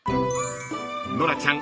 ［ノラちゃん